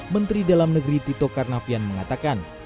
menteri dalam negeri tito karnavian mengatakan